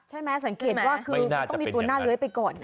ใช่ไหมสังเกตว่ามันต้องมีตัวหน้าเลื้อยไปก่อน